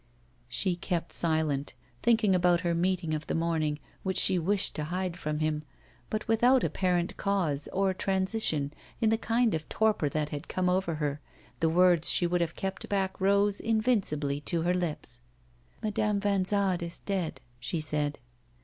She kept silent, thinking about her meeting of the morning, which she wished to hide from him; but without apparent cause or transition, in the kind of torpor that had come over her, the words she would have kept back rose invincibly to her lips. 'Madame Vanzade is dead,' she said.